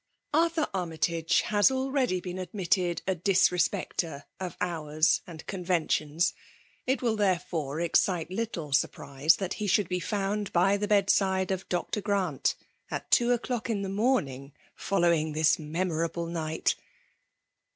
Arthur Armytagb has already been admitted a disrespecter of hours and conventions* It will therefore excite little surprise^ thai he should be fimnd by the bedside of jDr. Grant at two o'clock in the morning following this memorable night.